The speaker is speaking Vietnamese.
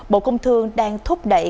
bộ công thương đang thúc đẩy